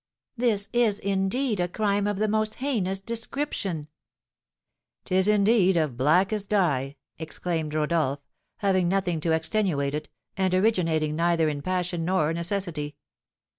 "This is, indeed, a crime of the most heinous description!" "'Tis, indeed, of blackest die," exclaimed Rodolph, "having nothing to extenuate it, and originating neither in passion nor necessity.